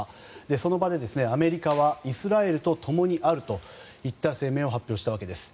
その場でアメリカはイスラエルとともにあるといった声明を発表したわけです。